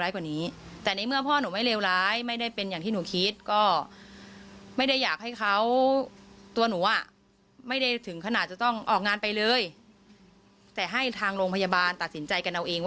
เพราะไม่อยากให้เกิดเหตุการณ์แบบนี้